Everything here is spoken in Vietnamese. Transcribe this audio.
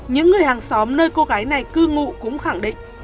những người hàng xóm nơi cô gái này cư ngụ cũng khẳng định